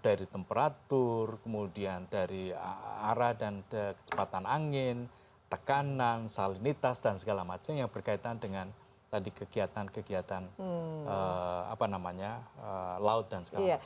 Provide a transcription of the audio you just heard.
dari temperatur kemudian dari arah dan kecepatan angin tekanan salinitas dan segala macam yang berkaitan dengan tadi kegiatan kegiatan laut dan segala macam